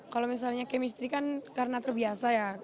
kalau misalnya kemistri kan karena terbiasa ya